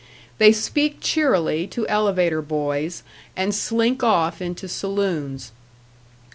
They speak cheerily to elevator boys and slink off into saloons.